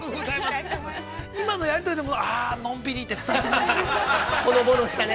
◆今のやり取りで、ああ、のんびりって、伝わってきたよね。